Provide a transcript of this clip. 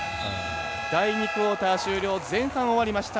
第２クオーター終了前半終わりました。